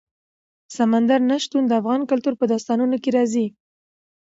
سمندر نه شتون د افغان کلتور په داستانونو کې راځي.